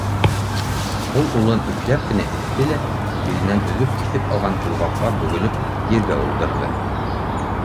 Ул улын ипләп кенә этте лә, биленән өҙөп киҫеп алған тулғаҡҡа бөгөлөп, ергә ултырҙы.